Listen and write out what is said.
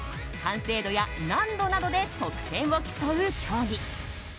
完成度や難度などで得点を競う競技。